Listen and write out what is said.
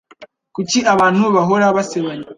Kuki abantu bahora basebanya?